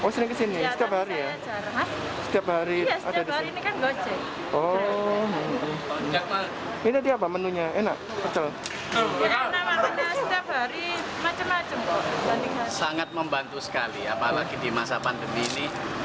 sangat membantu sekali apalagi di masa pandemi ini